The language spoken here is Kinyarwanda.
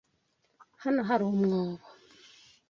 Hano hari umwobo.